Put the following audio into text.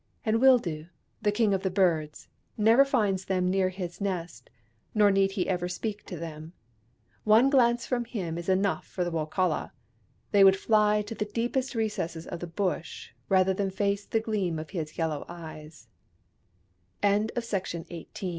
And Wildoo, the King of the Birds, never finds them near his nest, nor need he ever speak to them. One glance from him is enough for the Wokala : they would fly to the deepest recesses of the Bush rather than face the gleam of his yellow eyes.